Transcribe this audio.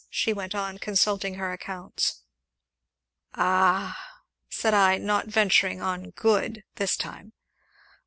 she went on, consulting her accounts. "Ah!" said I, not venturing on "good," this time.